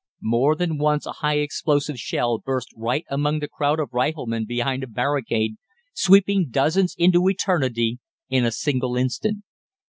More than once a high explosive shell burst right among the crowd of riflemen behind a barricade, sweeping dozens into eternity in a single instant.